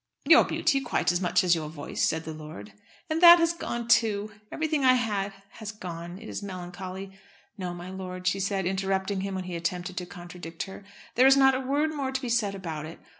"Your beauty quite as much as your voice," said the lord. "And that has gone too. Everything I had has gone. It is melancholy! No, my lord," she said, interrupting him when he attempted to contradict her, "there is not a word more to be said about it.